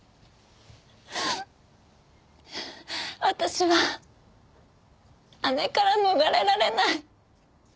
私は姉から逃れられない。